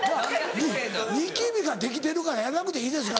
「ニキビができてるからやらなくていいですか？」